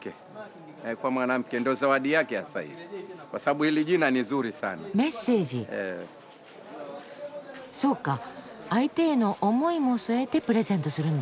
そうか相手への思いも添えてプレゼントするんだカンガ。